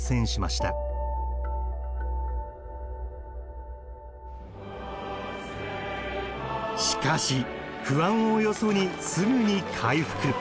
しかし不安をよそにすぐに回復。